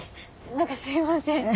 何かすいません。